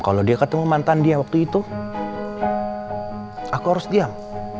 kalau dia ketemu mantan dia waktu itu aku harus diam